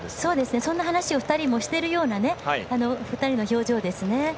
そんな話もしているような２人の表情ですね。